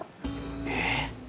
えっ？